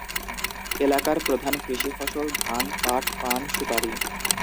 এলাকার প্রধান কৃষি ফসল ধান, পাট, পান, সুপারি।